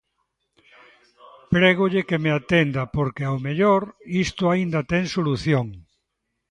Prégolle que me atenda porque, ao mellor, isto aínda ten solución.